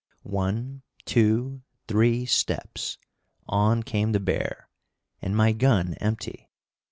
One, two, three steps on came the bear! and my gun empty!